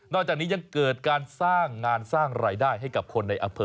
จากนี้ยังเกิดการสร้างงานสร้างรายได้ให้กับคนในอำเภอ